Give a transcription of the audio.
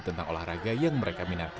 tentang olahraga yang mereka minatkan